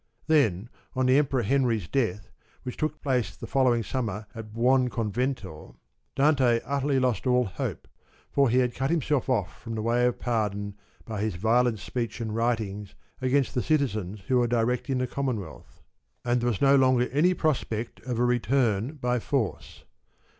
Then, on the Emperor Henry's death, which took place the following summer at Buonconvento, Dante utterly lost all hope, for he had cut himself off from the way of pardon by his violent speech and writings against the citizens who were directing the Common wealth, and there was no longer any prospect of a return by force.